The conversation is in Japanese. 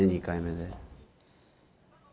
２回目で。